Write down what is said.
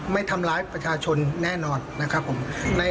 ไม่ทำลายประชาชนแน่นอน